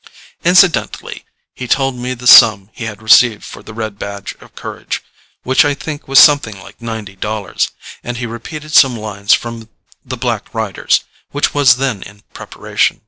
Incidentally he told me the sum he had received for "The Red Badge of Courage," which I think was something like ninety dollars, and he repeated some lines from "The Black Riders," which was then in preparation.